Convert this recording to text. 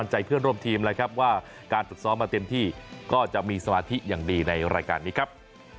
ใจเพื่อนร่วมทีมแล้วครับว่าการฝึกซ้อมมาเต็มที่ก็จะมีสมาธิอย่างดีในรายการนี้ครับ